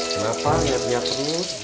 kenapa biar biar sedih